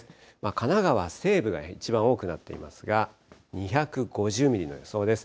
神奈川西部が一番多くなっていますが、２５０ミリの予想です。